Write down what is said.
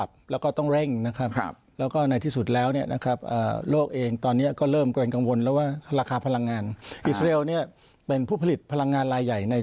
เพราะฉะนั้นก็ถือว่าอ่ายังมีเวลาแต่เวลาน้อย